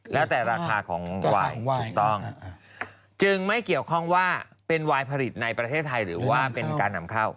แล้วแต่ราคาของวายถูกต้องจึงไม่เกี่ยวข้องว่าเป็นวายผลิตในประเทศไทยหรือว่าเป็นการนำเข้า